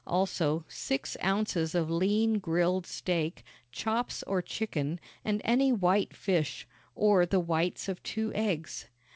Also, six ounces of lean grilled steak, chops or chicken, and any white fish or the whites of two eggs.